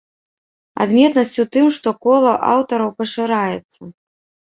Адметнасць у тым што кола аўтараў пашыраецца.